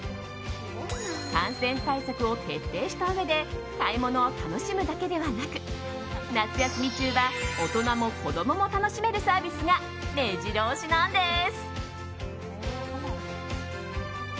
感染対策を徹底したうえで買い物を楽しむだけではなく夏休み中は大人も子供も楽しめるサービスが目白押しなんです。